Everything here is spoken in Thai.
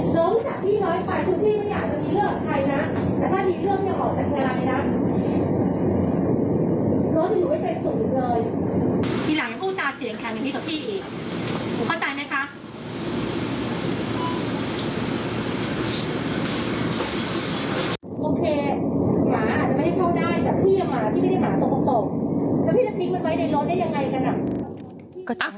ผมเข้าใจไหมคะ